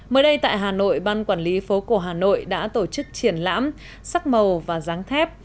mới đây tại hà nội ban quản lý phố cổ hà nội đã tổ chức triển lãm sắc màu và giáng thép